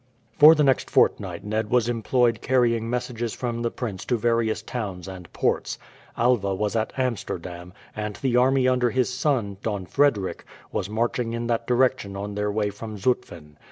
For the next fortnight Ned was employed carrying messages from the prince to various towns and ports. Alva was at Amsterdam, and the army under his son, Don Frederick, was marching in that direction on their way from Zutphen.